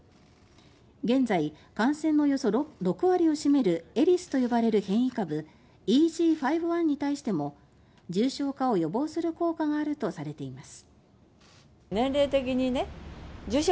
現在、感染のおよそ６割を占める「エリス」と呼ばれる変異株「ＥＧ．５．１」に対しても重症化を予防する効果があるとされています。